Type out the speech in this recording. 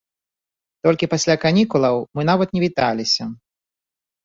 Толькі пасля канікулаў мы нават не віталіся.